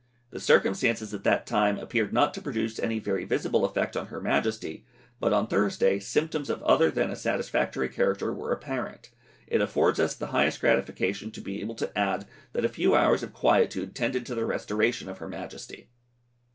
The circumstances at that time appeared not to produce any very visible effect on her Majesty, but on Thursday symptoms of other than a satisfactory character were apparent. It affords us the highest gratification to be able to add that a few hours of quietude tended to the restoration of her Majesty.